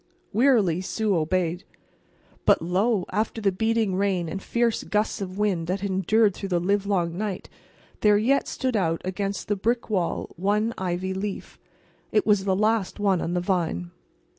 Wearily Sue obeyed. But, lo! after the beating rain and fierce gusts of wind that had endured through the livelong night, there yet stood out against the brick wall one ivy leaf. It was the last on the vine.